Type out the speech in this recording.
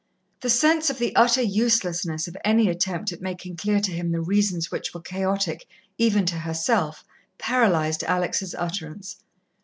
The sense of the utter uselessness of any attempt at making clear to him the reasons which were chaotic even to herself, paralysed Alex' utterance.